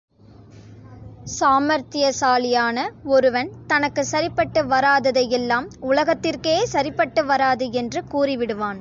சாமார்த்தியசாலியான ஒருவன் தனக்கு சரிப்பட்டு வராததை எல்லாம் உலகத்திற்கே சரிப்பட்டு வராது என்று கூறிவிடுவான்.